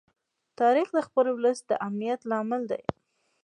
تاریخ د خپل ولس د امنیت لامل دی.